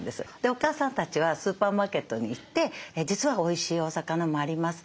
お母さんたちはスーパーマーケットに行って実はおいしいお魚もあります。